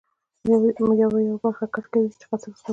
یا به یوه برخه کټ کوې چې قصر ورته وایي.